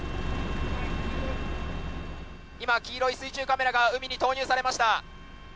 今、黄色い水中カメラが海に投入されました。